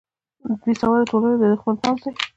بیسواده ټولنه د دښمن پوځ دی